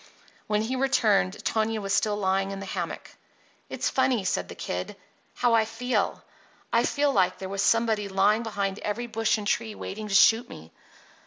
When he returned Tonia was still lying in the hammock. "It's funny," said the Kid, "how I feel. I feel like there was somebody lying behind every bush and tree waiting to shoot me.